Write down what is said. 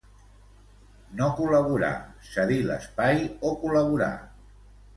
No col·laborar, cedir l'espai o col·laborar.